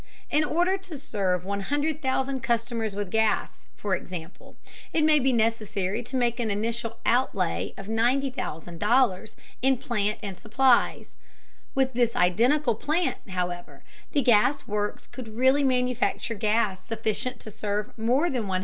In order to serve 100,000 customers with gas, for example, it may be necessary to make an initial outlay of $90,000 in plant and supplies. With this identical plant, however, the gas works could really manufacture gas sufficient to serve more than 100,000.